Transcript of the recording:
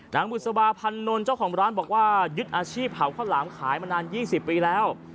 บุษบาพันนลเจ้าของร้านบอกว่ายึดอาชีพเผาข้าวหลามขายมานาน๒๐ปีแล้ว